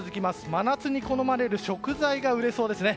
真夏に好まれる食材が売れそうですね。